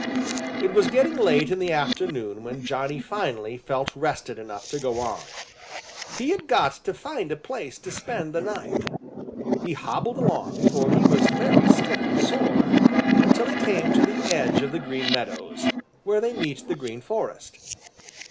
It was getting late in the afternoon when Johnny finally felt rested enough to go on. He had got to find a place to spend the night. He hobbled along, for he was very stiff and sore, until he came to the edge of the Green Meadows, where they meet the Green Forest.